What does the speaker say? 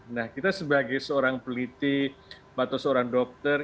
nah kita sebagai seorang peliti atau seorang dokter